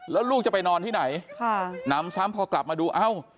แล้วลูกจะไปนอนที่ไหนค่ะนำซ้ำพอกลับมาดูเอ้า